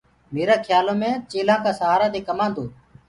ميرآ کيآلو مي چيلآن ڪآ سهآرآ دي ڪمآندوئي